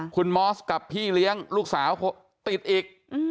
คุณมอสกับพี่เลี้ยงลูกสาวติดอีก